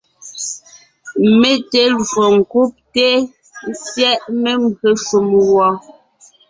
Mé te lwo ńkúbte/syɛ́ʼ membyè shúm wɔ́.